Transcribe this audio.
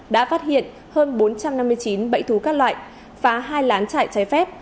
đã phát hiện hơn bốn trăm năm mươi chín bẫy thú các loại phá hai lán chải cháy phép